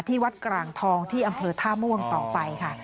ที่วัดกลางทองที่อำเภอท่าม่วงต่อไปค่ะ